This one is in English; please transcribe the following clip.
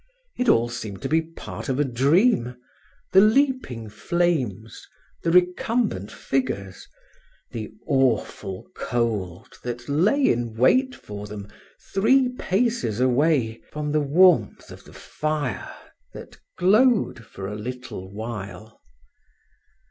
It all seemed to be part of a dream the leaping flames, the recumbent figures, the awful cold that lay in wait for them three paces away from the warmth of the fire that glowed for a little while.